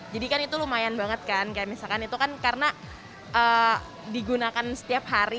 jadi kan itu lumayan banget kan kayak misalkan itu kan karena digunakan setiap hari